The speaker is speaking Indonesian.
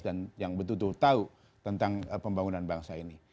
dan yang betul betul tahu tentang pembangunan bangsa ini